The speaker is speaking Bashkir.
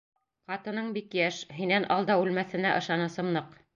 Ҡатының бик йәш, һинән алда үлмәҫенә ышанысым ныҡ.